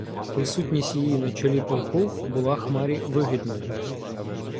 Присутність її на чолі полку була Хмарі вигідною.